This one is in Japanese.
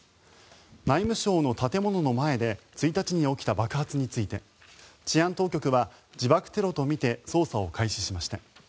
内務省の建物の前で１日に起きた爆発について治安当局は自爆テロとみて捜査を開始しました。